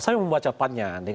saya mau membaca panjang